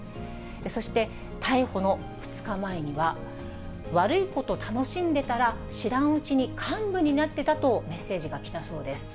そして、逮捕の２日前には、悪いこと楽しんでたら、知らんうちに幹部になってたとメッセージが来たそうです。